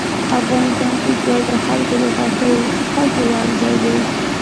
افغانستان کې ګاز د خلکو د خوښې وړ ځای دی.